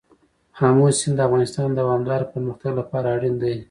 آمو سیند د افغانستان د دوامداره پرمختګ لپاره اړین دي.